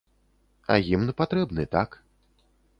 А гімн патрэбны, так.